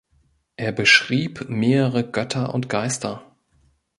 Er beschrieb mehrere Götter und Geister.